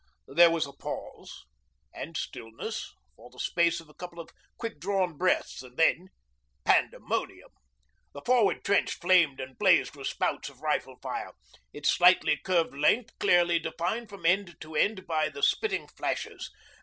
There was a pause and stillness for the space of a couple of quick drawn breaths, and then pandemonium! The forward trench flamed and blazed with spouts of rifle fire, its slightly curved length clearly defined from end to end by the spitting flashes.